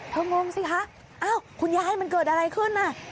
งงสิคะอ้าวคุณยายมันเกิดอะไรขึ้นน่ะ